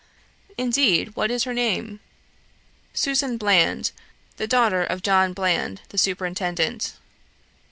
'Indeed; what is her name?' 'Susan Bland, the daughter of John Bland, the superintendent.'